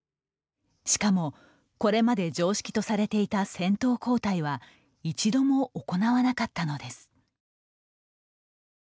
しかも、これまで常識とされていた先頭交代は一度も行わなかったのです。